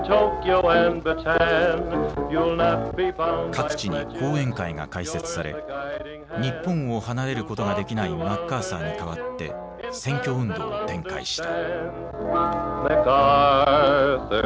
各地に後援会が開設され日本を離れることができないマッカーサーに代わって選挙運動を展開した。